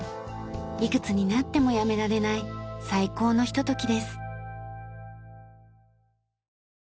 いくつになってもやめられない最高のひとときです。